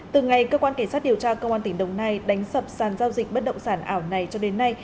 từ ngày cơ quan cảnh sát điều tra công an tỉnh đồng nai đánh sập sàn giao dịch bất động sản ảo này cho đến nay